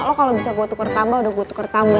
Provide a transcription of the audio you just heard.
lo kalo bisa gue tuker tambah udah gue tuker tambah